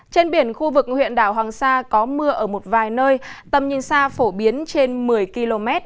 trên biển khu vực huyện đảo hoàng sa có mưa ở một vài nơi tầm nhìn xa phổ biến trên một mươi km